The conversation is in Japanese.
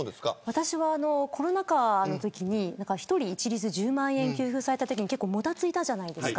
私はコロナ渦のときに一人一律１０万円給付されたときにもたついたじゃないですか。